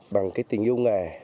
bằng cái tình yêu nghề